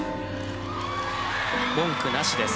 文句なしです。